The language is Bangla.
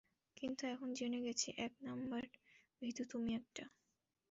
কিন্তু এখন জেনে গেছি, এক নাম্বারের ভীতু তুমি একটা।